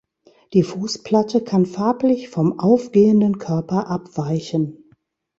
Die Fußplatte kann farblich vom aufgehenden Körper abweichen.